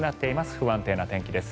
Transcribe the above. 不安定な天気です。